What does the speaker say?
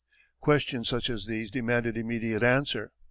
Questions such as these demanded immediate answer.